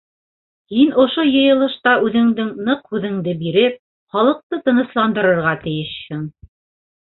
Һин ошо йыйылышта үҙеңдең ныҡ һүҙеңде биреп, халыҡты тынысландырырға тейешһең.